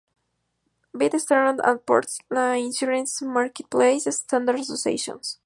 Best, Standard and Poor's, y la Insurance Marketplace Standards Association.